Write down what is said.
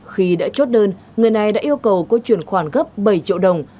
khi đã trót đơn người này đã yêu cầu cô truyền khoản gấp bảy triệu đồng